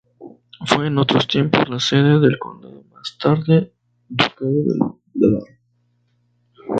Fue, en otros tiempos, la sede del condado, más tarde, ducado de Bar.